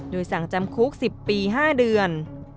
โดยสั่งจำคุก๑๐ปี๕เดือน